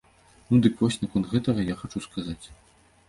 Ну дык вось наконт гэтага я хачу сказаць.